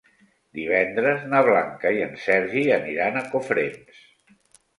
Divendres na Blanca i en Sergi aniran a Cofrents.